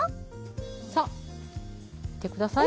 さあ見てください。